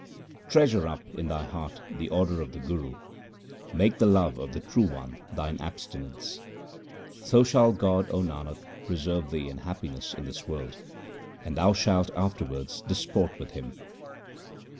Treasure up in thy heart the order of the Guru ; make the love of the True One thine abstinence ; So shall God, O Nanak, preserve thee in happiness in this world, and thou shalt afterwards disport with Him.